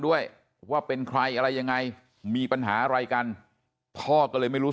ด้วยว่าเป็นใครอะไรยังไงมีปัญหาอะไรกันพ่อก็เลยไม่รู้